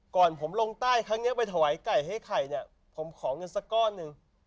ก่อนผมลงใต้ครั้งนี้ไปถวายไก่ให้ไข่เนี่ยผมขอเงินสักก้อนหนึ่ง